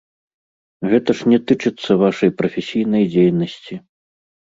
Гэта ж не тычыцца вашай прафесійнай дзейнасці.